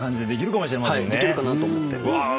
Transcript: できるかなと思って。